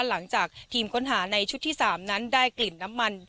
หลังจากทีมค้นหาในชุดที่๓นั้นได้กลิ่นน้ำมัน